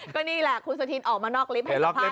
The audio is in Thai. ก็นี่แหละคุณสุธินออกมานอกลิฟต์ให้สัมภาษ